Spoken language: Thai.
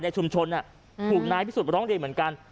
ชุมชนถูกนายพิสุทธิร้องเรียนเหมือนกัน